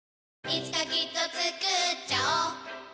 いつかきっとつくっちゃおう